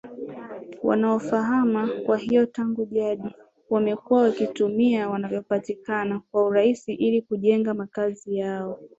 wanaohamahama kwa hiyo tangu jadi wamekuwa wakitumia vinavyopatikana kwa urahisi ili kujenga makazi yao